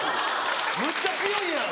むっちゃ強いやん。